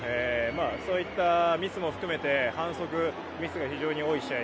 そういったミスも含めて反則、ミスが非常に多い試合